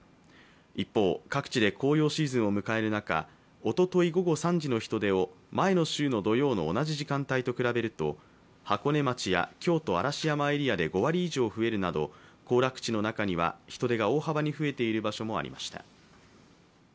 一方、各地で紅葉シーズンを迎える中おととい午後３時の人出を前の週の同じ時間帯の土曜日と比べると箱根町や京都・嵐山エリアで５割以上増えるなど行楽地の中には、人出が大幅に増えている場所もありました。